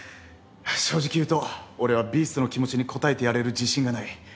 正直言うと俺はビーストの気持ちに応えてやれる自信がない。